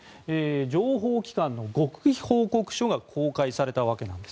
情報機関の極秘報告書が公開されたわけなんです。